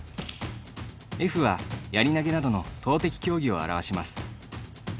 Ｆは、やり投げなどの投てき競技を表します。